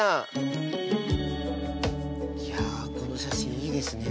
いやこの写真いいですね。